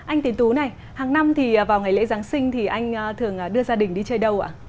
anh tín tú này hàng năm thì vào ngày lễ giáng sinh thì anh thường đưa gia đình đi chơi đâu ạ